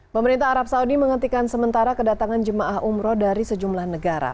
pemerintah arab saudi menghentikan sementara kedatangan jemaah umroh dari sejumlah negara